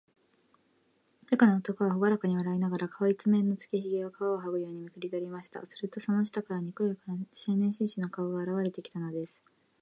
部下の男は、ほがらかに笑いながら、顔いちめんのつけひげを、皮をはぐようにめくりとりました。すると、その下から、にこやかな青年紳士の顔があらわれてきたのです。